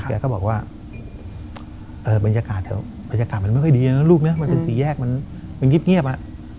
แกก็บอกว่าบรรยากาศมันไม่ค่อยดีนะลูกนะมันเป็นสี่แยกมันเงียบอ่ะ